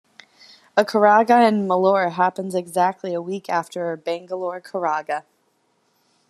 The karaga in malur happens exactly a week after bangalore karaga.